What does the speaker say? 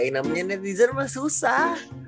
namanya netizen mah susah